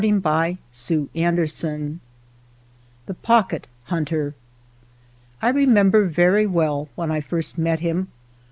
THE POCKET HUNTER THE POCKET HUNTER I REMEMBER very well when I first met him.